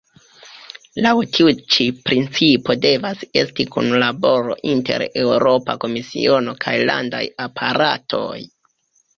Laŭ tiu ĉi principo devas esti kunlaboro inter Eŭropa Komisiono kaj landaj aparatoj.